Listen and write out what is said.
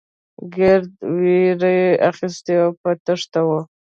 ګرد وېرې اخيستي او په تېښته وو.